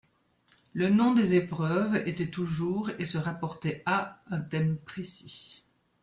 Le nom des épreuves était toujours et se rapportait à un thème précis.